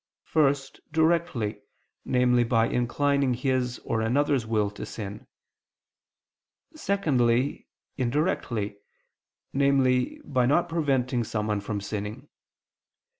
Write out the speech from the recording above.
First, directly, namely by inclining his or another's will to sin; secondly, indirectly, namely by not preventing someone from sinning.